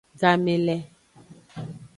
Game le.